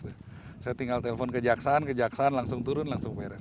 saya tinggal telepon ke jaksaan ke jaksaan langsung turun langsung beres